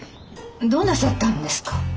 どうなさったんですか？